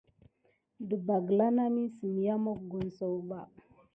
Ɗəɓɑ gla nami siya mokoni sakuba.